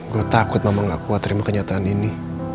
gue takut mama gak kuat terima kenyataan ini